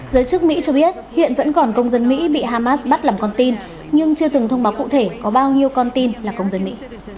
giới chức mỹ cho biết hiện vẫn còn công dân mỹ bị hamas bắt làm con tin nhưng chưa từng thông báo cụ thể có bao nhiêu con tin là công dân mỹ